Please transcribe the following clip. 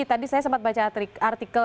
tadi saya sempat baca artikel